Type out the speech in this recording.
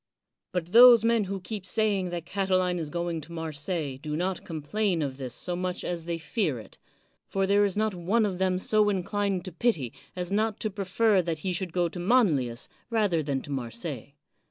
But those men who keep saying that Cati line is going to Marseilles do not complain of this so much as they fear it ; for there is not one of them so inclined to pity, as not to prefer that he should go to Manlius rather than to Marseilles.